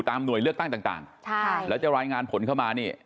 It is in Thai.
ตามหน่วยเลือกตั้งต่างแล้วจะทำลายงานผลขึ้นมานี่